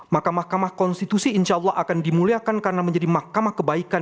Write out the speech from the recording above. mahkamah mahkamah konstitusi insyaallah akan dimuliakan karena menjadi mahkamah kebaikan